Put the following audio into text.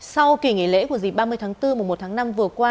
sau kỳ nghỉ lễ của dịp ba mươi tháng bốn mùa một tháng năm vừa qua